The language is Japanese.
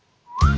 あ。